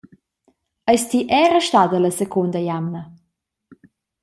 Eis ti era stada la secunda jamna?